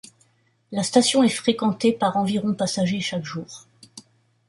La station est fréquentée par environ passagers chaque jour.